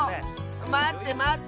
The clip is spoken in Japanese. まってまって！